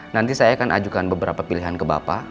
nanti saya akan ajukan beberapa pilihan ke bapak